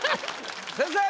先生！